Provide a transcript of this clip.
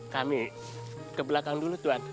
kami ke belakang dulu tuhan